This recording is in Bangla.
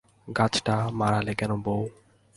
গাছটা মাড়ালে কেন বৌ?